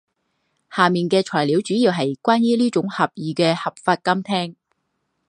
下面的材料主要是关于这种狭义的合法监听。